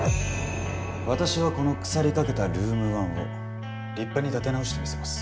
私はこの腐りかけたルーム１を立派に立て直してみせます。